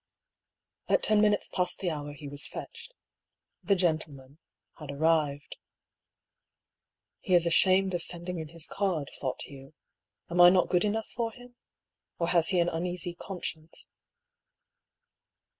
At ten minutes past the hour he was fetched. " The gentleman " had arrived. "He is ashamed of sending in his card," thought Hugh. " Am I not good enough for him ? Or has he an uneasy conscience